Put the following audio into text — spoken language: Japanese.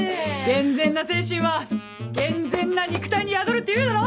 健全な精神は健全な肉体に宿るっていうだろ！